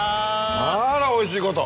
あらおいしいこと！